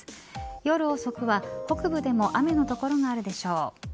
夜遅くは北部でも雨の所があるでしょう。